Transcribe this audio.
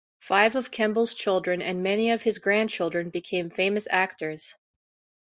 Five of Kemble's children and many of his grandchildren became famous actors.